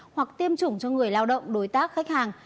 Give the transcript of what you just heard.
hoặc tiêm chủng cho người lao động đối tác khách hàng